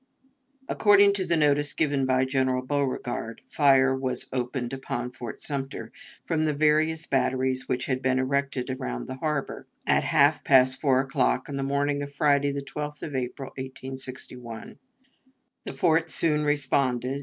" According to the notice given by General Beauregard, fire was opened upon Fort Sumter, from the various batteries which had been erected around the harbor, at half past four o'clock on the morning of Friday, the 12th of April, 1861. The fort soon responded.